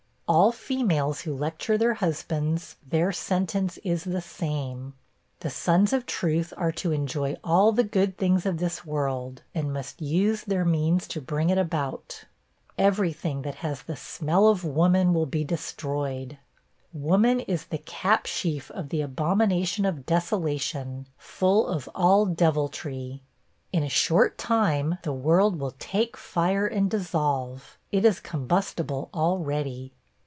All females who lecture their husbands, their sentence is the same. The sons of truth are to enjoy all the good things of this world, and must use their means to bring it about. Every thing that has the smell of woman will be destroyed. Woman is the capsheaf of the abomination of desolation full of all deviltry. In a short time, the world will take fire and dissolve; it is combustible already.